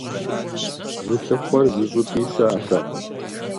Зылъыхъуэр зыщӀыпӀи щыӀэтэкъым.